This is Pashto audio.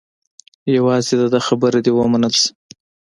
یوازې د ده خبره دې ومنل شي.